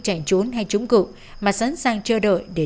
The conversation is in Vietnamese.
trong tàu hóa porque